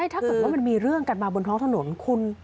ถ้าเกิดว่ามันมีเรื่องกันมาบนท้องถนน